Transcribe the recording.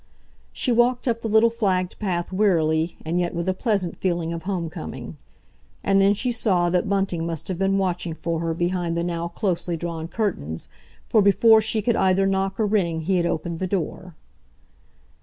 She walked up the little flagged path wearily, and yet with a pleasant feeling of home coming. And then she saw that Bunting must have been watching for her behind the now closely drawn curtains, for before she could either knock or ring he had opened the door.